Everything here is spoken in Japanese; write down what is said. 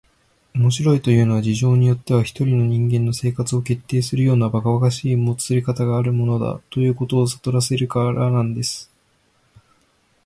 「面白いというのは、事情によっては一人の人間の生活を決定するようなばかばかしいもつれかたがあるものだ、ということをさとらせられるからなんです」